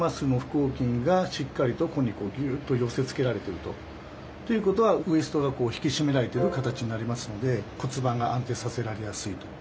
横筋がしっかりとここにギュッと寄せつけられてると。っていうことはウエストが引き締められてる形になりますので骨盤が安定させられやすいと。